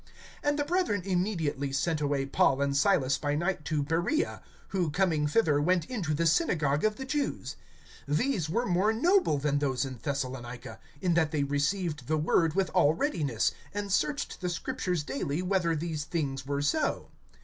(10)And the brethren immediately sent away Paul and Silas by night to Beroea; who coming thither went into the synagogue of the Jews. (11)These were more noble than those in Thessalonica, in that they received the word with all readiness, and searched the Scriptures daily whether these things were so.